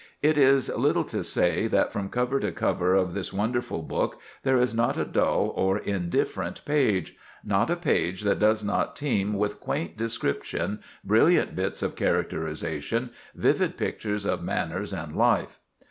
It is little to say that from cover to cover of this wonderful book there is not a dull or indifferent page—not a page that does not teem with quaint description, brilliant bits of characterization, vivid pictures of manners and life.